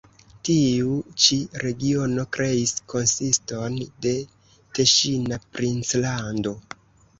Tiu ĉi regiono kreis konsiston de teŝina princlando.